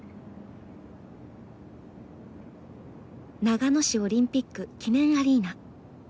長野市オリンピック記念アリーナ。